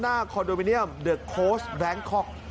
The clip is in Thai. หน้าคอลโดมิเนียมเดอะโคสต์แบงคล็อค